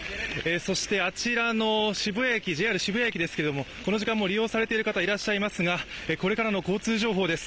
そしてあちらのＪＲ渋谷駅ですけれどもこの時間も利用されている方、いらっしゃいますが、これからの交通情報です。